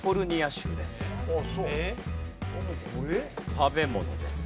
食べ物です。